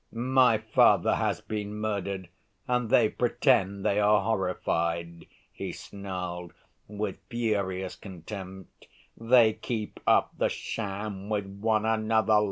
"My father has been murdered and they pretend they are horrified," he snarled, with furious contempt. "They keep up the sham with one another.